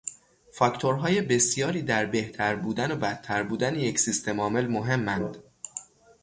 فاکتورهای بسیاری در بهتر بودن و بدتر بودن یک سیستم عامل مهمند.